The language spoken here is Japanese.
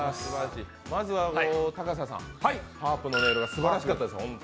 まずは高佐さん、ハープの音色がすばらしかったです。